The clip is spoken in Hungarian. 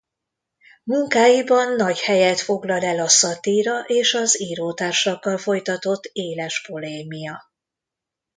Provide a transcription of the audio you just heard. Munkáiban nagy helyet foglal el a szatíra és az írótársakkal folytatott éles polémia.